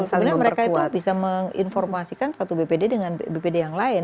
sebenarnya mereka itu bisa menginformasikan satu bpd dengan bpd yang lain